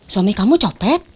suami kamu copet